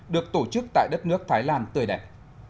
được tổ chức tại đất nước thái lan tươi đẹp